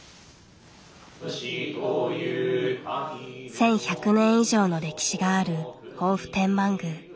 １，１００年以上の歴史がある防府天満宮。